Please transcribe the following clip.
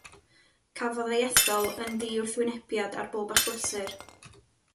Cafodd ei ethol yn ddiwrthwynebiad ar bob achlysur.